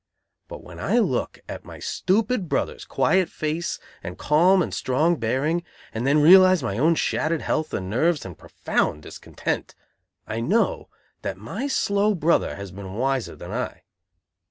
But when I look at my stupid brother's quiet face and calm and strong bearing, and then realize my own shattered health and nerves and profound discontent, I know that my slow brother has been wiser than I.